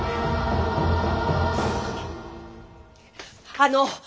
あの！